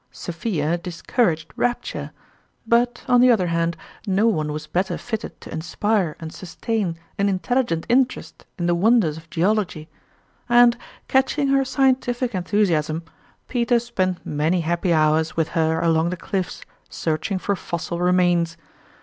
Sophia discouraged rapture ; but, on the other hand, no one was better fitted to inspire and sustain an intelligent interest in the won ders of Geology ; and, catching her scientific enthusiasm, Peter spent many happy hours with her along the cliffs, searching for fossil remains.